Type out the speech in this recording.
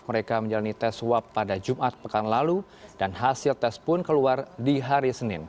mereka menjalani tes swab pada jumat pekan lalu dan hasil tes pun keluar di hari senin